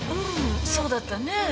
そうだったね。